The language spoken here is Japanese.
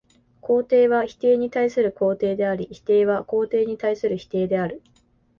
肯定は否定に対する肯定であり、否定は肯定に対する否定である。